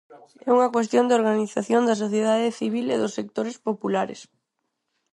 É unha cuestión de organización da sociedade civil e dos sectores populares.